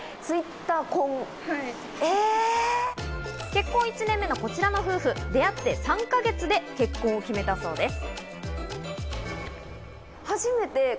結婚１年目のこちらの夫婦、出会って３か月で結婚を決めたそうです。